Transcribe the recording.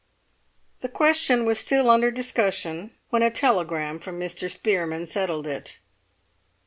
The question was still under discussion when a telegram from Mr. Spearman settled it.